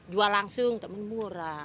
jual langsung tapi murah